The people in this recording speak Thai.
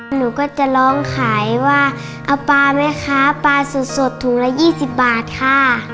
หนูก็จะร้องขายว่าเอาปลาไหมคะปลาสดถุงละ๒๐บาทค่ะ